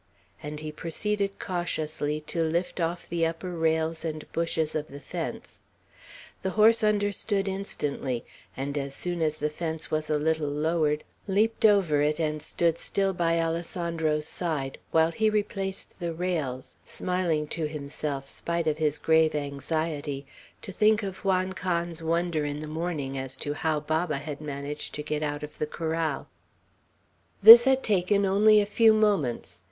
and he proceeded cautiously to lift off the upper rails and bushes of the fence. The horse understood instantly; and as soon as the fence was a little lowered, leaped over it and stood still by Alessandro's side, while he replaced the rails, smiling to himself, spite of his grave anxiety, to think of Juan Can's wonder in the morning as to how Baba had managed to get out of the corral. This had taken only a few moments.